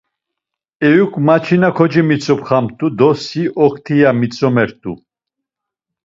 Eyuk maçina kocemitzopxamt̆u do si okti ya mitzomet̆u.